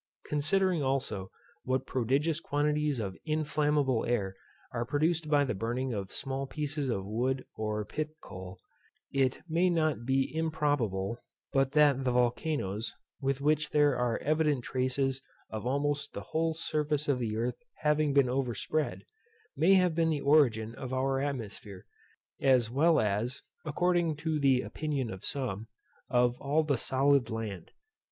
Considering also what prodigious quantities of inflammable air are produced by the burning of small pieces of wood or pit coal, it may not be improbable but that the volcanos, with which there are evident traces of almost the whole surface of the earth having been overspread, may have been the origin of our atmosphere, as well as (according to the opinion of some) of all the solid land.